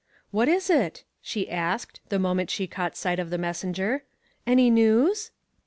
"What is it?" she asked, the moment she caught sight of the messenger. "Any news?"